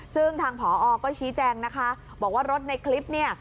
ซึ่งทางผอก็ชี้แจงนะคะบอกว่ารถในคลิปเนี่ย